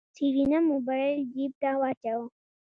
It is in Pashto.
سېرېنا موبايل جېب ته واچوه.